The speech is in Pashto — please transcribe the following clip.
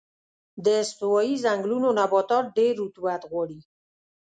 د استوایي ځنګلونو نباتات ډېر رطوبت غواړي.